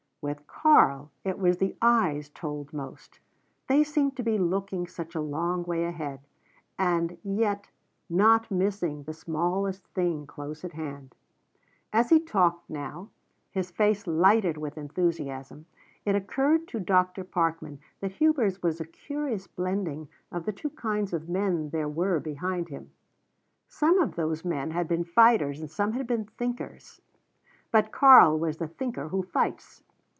With Karl it was the eyes told most. They seemed to be looking such a long way ahead, and yet not missing the smallest thing close at hand. As he talked now, his face lighted with enthusiasm, it occurred to Dr. Parkman that Hubers was a curious blending of the two kinds of men there were behind him. Some of those men had been fighters and some had been thinkers, but Karl was the thinker who fights.